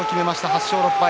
８勝６敗。